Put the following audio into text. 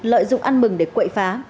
lợi dụng ăn mừng để quậy phá